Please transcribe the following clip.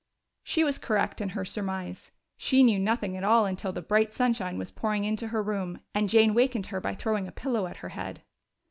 She was correct in her surmise: she knew nothing at all until the bright sunshine was pouring into her room and Jane wakened her by throwing a pillow at her head.